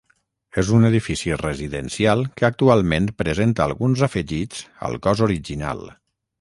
És un edifici residencial que actualment presenta alguns afegits al cos original.